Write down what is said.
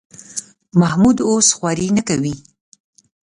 محمود اوس خواري نه کوي.